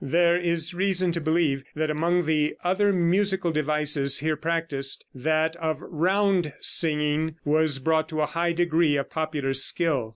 There is reason to believe that among the other musical devices here practiced that of "round" singing was brought to a high degree of popular skill.